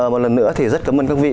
một lần nữa thì rất cảm ơn các vị